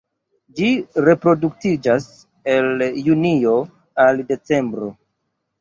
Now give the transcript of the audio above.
Ĝi reproduktiĝas el junio al decembro.